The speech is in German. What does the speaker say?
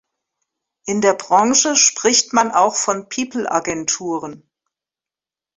In der Branche spricht man auch von "People-Agenturen".